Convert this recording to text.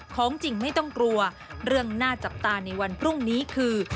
ของจริงไม่ต้องกลัวเรื่องน่าจับตาในวันพรุ่งนี้คือ